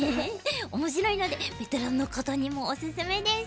面白いのでベテランの方にもおすすめです。